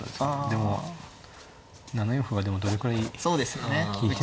でも７四歩がどれくらい利いてるのか。